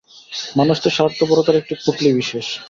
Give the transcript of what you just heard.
মানুষ তো স্বার্থপরতার একটি পুঁটলি বিশেষ।